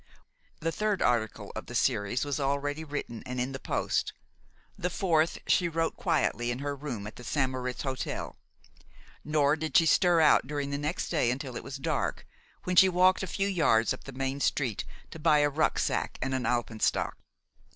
The third article of the series was already written and in the post. The fourth she wrote quietly in her room at the St. Moritz hotel, nor did she stir out during the next day until it was dark, when she walked a few yards up the main street to buy a rucksack and an alpenstock.